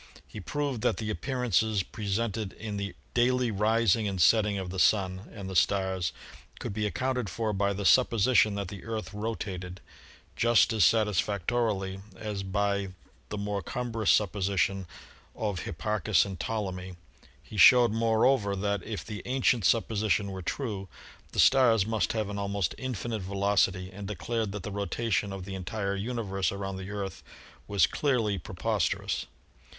He proved that the appearances presented in the daily rising and setting of the Sun and the stars could be ac counted for by the supposition that the Earth rotated, just as satisfactorily as by the more cumbrous supposition of Hipparchus and Ptolemy. He showed, moreover, that if the ancient supposition were true, the stars must have an almost infinite velocity and declared that the rotation of the entire universe around the Earth was clearly pre posterous.